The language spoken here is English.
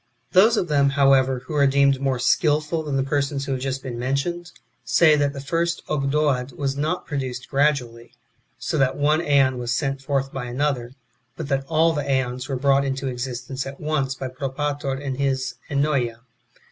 3. Those of them, however, who are deemed more skilful than the persons who have just been mentioned, say that the first Ogdoad was not produced gradually, so that one JE.on was sent forth by another, but that all" ^ the ^ons were brought into existence at once by Propator and his Ennoea.